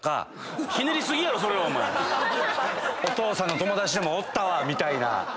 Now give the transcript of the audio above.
お父さんの友達でもおったわみたいな。